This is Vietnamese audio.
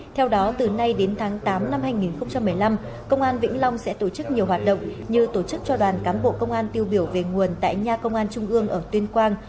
theo đó từ nay đến tháng tám năm hai nghìn một mươi năm công an vĩnh long sẽ tổ chức nhiều hoạt động như tổ chức cho đoàn cán bộ công an tiêu biểu về nguồn tại nhà công an trung ương ở tuyên quang